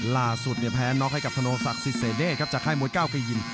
ล่าสุดเนี่ยแพ้น็อคให้กับธนโศกศิษย์เสด็จครับจักรไข้โมดเก้าก้าวไกยิ่ม